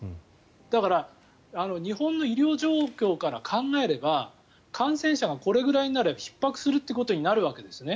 だから日本の医療状況から考えれば感染者がこれぐらいになればひっ迫するということになるわけですね。